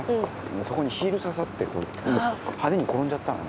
そこにヒール刺さって派手に転んじゃったのね。